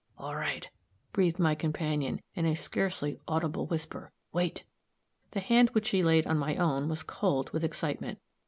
"All right," breathed my companion, in a scarcely audible whisper. "Wait!" The hand which he laid on my own was cold with excitement.